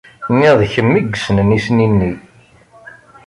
Niɣ d kemm i yekksen isni-nni!